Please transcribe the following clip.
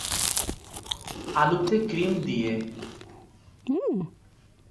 আলুতে ক্রিম দিয়ে।